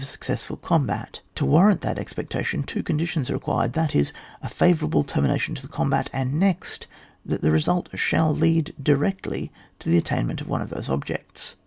successful combat i||To warrant that expectation, two conditions are required, that is, a, favour able termination to the combat^ and next, that the result shall lead really to the attain* ment of one of those objects.